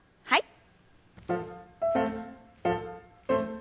はい。